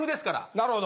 なるほど。